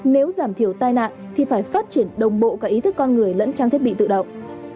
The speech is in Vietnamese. nếu giảm thiểu tai nạn thì phải phát triển đồng bộ cả ý thức con người lẫn trang thiết bị tự động